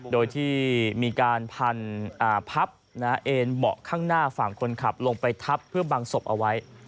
โดยที่มีการพันพับเอ็นเบาะข้างหน้าฝั่งคนขับลงไปทับเพื่อบังศพเอาไว้